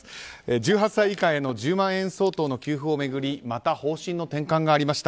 １８歳以下への１０万円相当の給付を巡りまた方針の転換がありました。